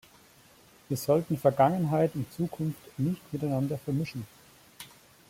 Wir sollten Vergangenheit und Zukunft nicht miteinander vermischen.